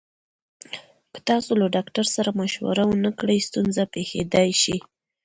که تاسو له ډاکټر سره مشوره ونکړئ، ستونزه پېښېدای شي.